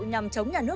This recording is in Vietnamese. nhằm chống nhà nước